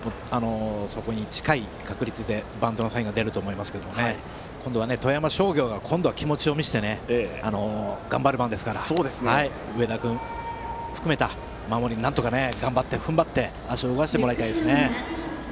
そこに近い確率でバントのサインが出ると思いますけども今度は富山商業が気持ちを見せて頑張る番ですから上田君含めた守りになんとか頑張って足を動かしてもらいたいですね。